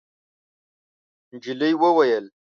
نجلۍ وویل: